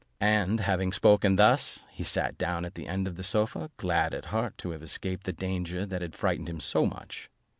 And having spoken thus, he sat down at the end of the sofa, glad at heart to have escaped the danger that had frightened him so much.